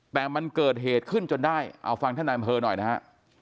แต่มันเกิดเหตุขึ้นจนได้เอาฟังท่านนายอำเภอหน่อยนะฮะ